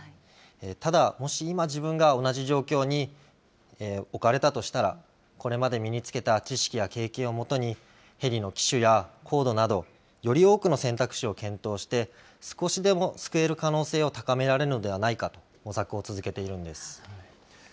ただ、もし今自分が同じ状況に置かれたとしたら、これまで身につけた知識や経験をもとに、ヘリの機種や高度など、より多くの選択肢を検討して、少しでも救える可能性を高められるのではないかと模索を続けているんです。